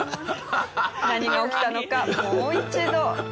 何が起きたのかもう一度。